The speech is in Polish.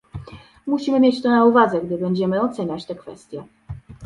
Musimy mieć to na uwadze, gdy będziemy oceniać tę kwestię